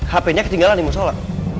hpnya ketinggalan di musola